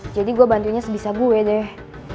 jadi gue bantuinya sebisa gue deh